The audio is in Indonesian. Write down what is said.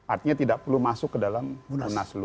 artinya tidak perlu masuk ke dalam munaslu